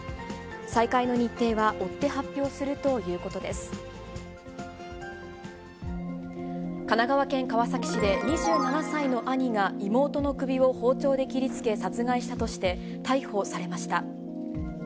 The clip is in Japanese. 再開の日程は追って発表するとい神奈川県川崎市で、２７歳の兄が妹の首を包丁で切りつけ殺害したとして、逮捕されました。